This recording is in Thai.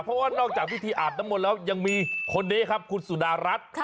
เพราะว่านอกจากพิธีอาบน้ำมนต์แล้วยังมีคนนี้ครับคุณสุดารัฐ